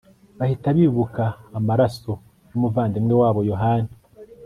bahita bibuka amaraso y'umuvandimwe wabo yohani